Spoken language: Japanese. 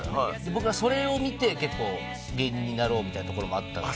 僕はそれを見て結構芸人になろうみたいなところもあったので。